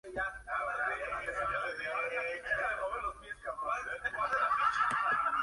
Aunque en el lateral del disco aparece parte de la mascota del grupo.